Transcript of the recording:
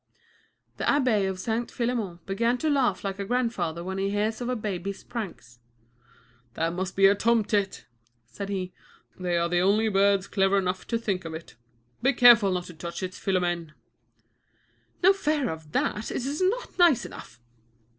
The abbé of St. Philémon began to laugh like a grandfather when he hears of a baby's pranks. "That must be a tomtit," said he, "they are the only birds clever enough to think of it. Be careful not to touch it, Philomène." "No fear of that; it is not nice enough!"